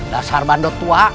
dasar bandot tua